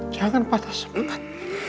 jangan patah semangat